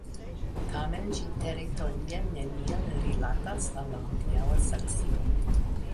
Tamen ĝi teritorie neniel rilatas al la hodiaŭa Saksio.